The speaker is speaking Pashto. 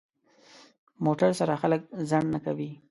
موټر سره خلک ځنډ نه کوي.